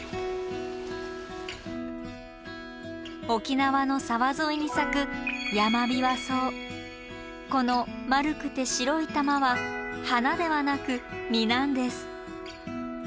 沖縄の沢沿いに咲くこの丸くて白い球は花ではなく実なんです。